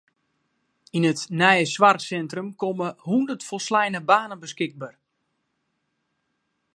Yn it nije soarchsintrum komme hûndert folsleine banen beskikber.